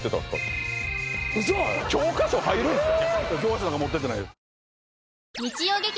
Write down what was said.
教科書入るんすか！？